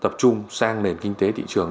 tập trung sang nền kinh tế thị trường